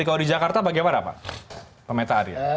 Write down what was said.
kalau di jakarta bagaimana pak pemetaannya